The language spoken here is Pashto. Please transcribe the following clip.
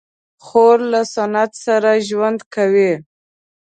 خور له سنت سره ژوند کوي.